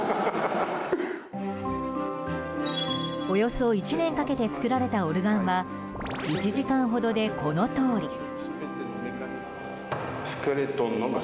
およそ１年かけて作られたオルガンは１時間ほどで、このとおり。